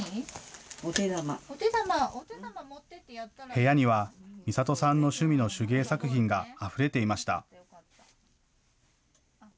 部屋にはみさとさんの趣味の手芸作品があふれていました。